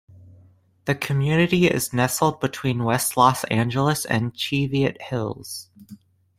The community is nestled between West Los Angeles and Cheviot Hills.